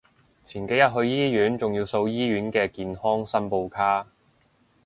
前幾日去醫院仲要掃醫院嘅健康申報卡